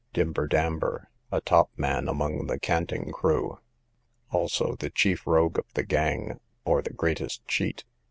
Dimber Damber, a top man among the canting crew; also the chief rogue of the gang, or the greatest cheat.